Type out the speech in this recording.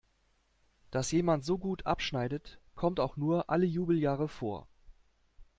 Dass jemand so gut abschneidet, kommt auch nur alle Jubeljahre vor.